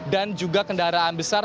dan juga kendaraan besar